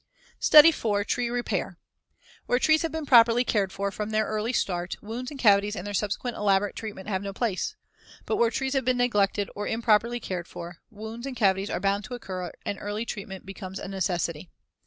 STUDY IV. TREE REPAIR Where trees have been properly cared for from their early start, wounds and cavities and their subsequent elaborate treatment have no place. But where trees have been neglected or improperly cared for, wounds and cavities are bound to occur and early treatment becomes a necessity.